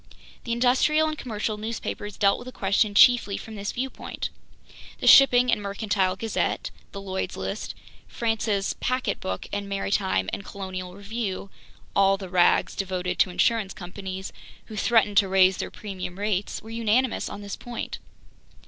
The industrial and commercial newspapers dealt with the question chiefly from this viewpoint. The Shipping & Mercantile Gazette, the Lloyd's List, France's Packetboat and Maritime & Colonial Review, all the rags devoted to insurance companies—who threatened to raise their premium rates—were unanimous on this point.